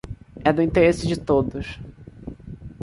É do interesse de todos.